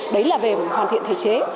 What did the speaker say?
đấy là về hoàn thiện thể chế